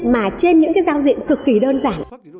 mà trên những cái giao diện cực kỳ đơn giản